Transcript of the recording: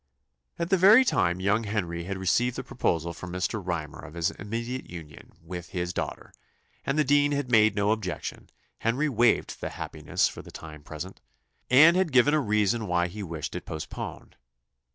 At the very time young Henry had received the proposal from Mr. Rymer of his immediate union with his daughter, and the dean had made no objection Henry waived the happiness for the time present, and had given a reason why he wished it postponed.